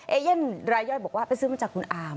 เอเย่นรายย่อยบอกว่าไปซื้อมาจากคุณอาม